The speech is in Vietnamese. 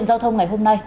anh đứng ở đây